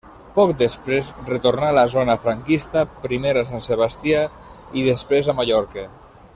Poc després retornà a la zona franquista, primer a Sant Sebastià i després a Mallorca.